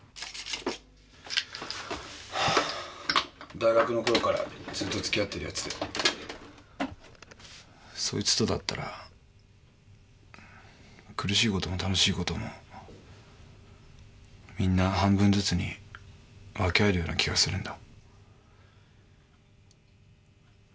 大学のころからずっとつきあってるヤツでそいつとだったら苦しいことも楽しいこともみんな半分ずつに分け合えるような気がするんだ。